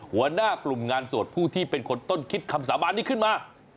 หัวหน้ากลุ่มงานสวดผู้ที่เป็นคนต้นคิดคำสาบานนี้ขึ้นมา